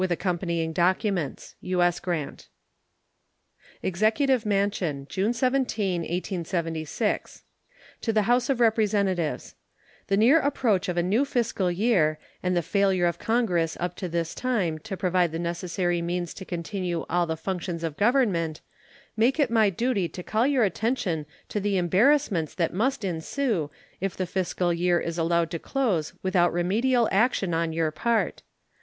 ] EXECUTIVE MANSION, June 17, 1876. To the Senate and House of Representatives: The near approach of a new fiscal year and the failure of Congress up to this time to provide the necessary means to continue all the functions of Government make it my duty to call your attention to the embarrassments that must ensue if the fiscal year is allowed to close without remedial action on your part.